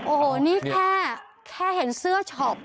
โอ้โหนี่แค่เห็นเสื้อช็อป